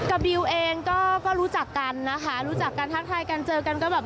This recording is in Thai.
บิวเองก็รู้จักกันนะคะรู้จักกันทักทายกันเจอกันก็แบบ